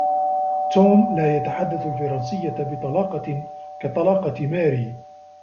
توم لا يتحدث الفرنسية بطلاقة كطلاقة ماري.